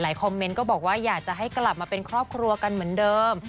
คอมเมนต์ก็บอกว่าอยากจะให้กลับมาเป็นครอบครัวกันเหมือนเดิม